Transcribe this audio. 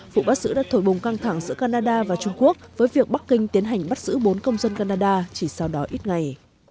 vụ bắt giữ đã thổi bùng căng thẳng giữa canada và trung quốc với việc bắc kinh tiến hành bắt giữ bốn công dân canada chỉ sau đó ít ngày